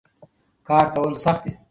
کار کول سخت دي.